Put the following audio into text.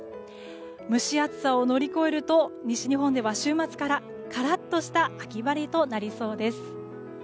蒸し暑さを乗り越えると西日本では週末からカラッとした秋晴れとなりそうです。